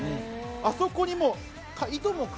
あそこにいとも